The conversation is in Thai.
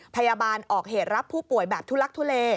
พยาบาลออกเหตุรับผู้ป่วยแบบทุลักทุเล